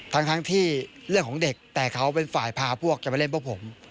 ทั้งที่เรื่องของเด็กแต่เขาเป็นฝ่ายพาพวกจะไปเล่นพวกผม